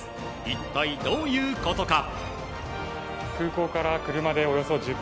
一体、どういうことか。